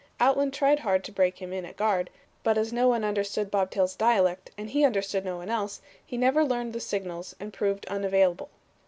Outland tried hard to break him in at guard, but as no one understood Bob Tail's dialect, and he understood no one else, he never learned the signals, and proved unavailable.